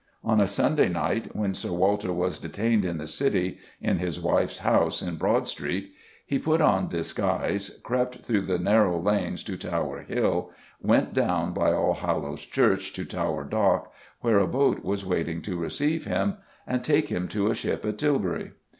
On a Sunday night, when Sir Walter was detained in the City in his wife's house in Broad Street he put on disguise, crept through the narrow lanes to Tower Hill, went down by Allhallows Church to Tower Dock, where a boat was waiting to receive him and take him to a ship at Tilbury.